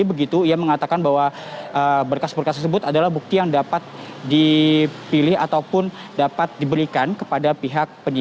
yang mengatakan bahwa berkas berkas tersebut adalah bukti yang dapat dipilih ataupun dapat dibutuhkan